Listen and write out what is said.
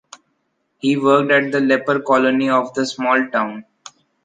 He worked at the leper colony of the small town.